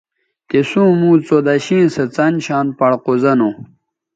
تِسوں موں څودشیئں څن شان پڑ قوزونݜ